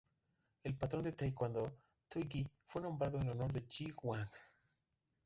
El patrón de Taekwondo "Toi-Gye" fue nombrado en honor de Yi Hwang.